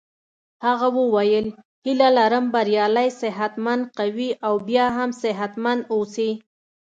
هغه وویل هیله لرم بریالی صحت مند قوي او بیا هم صحت مند اوسې.